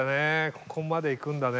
ここまでいくんだね。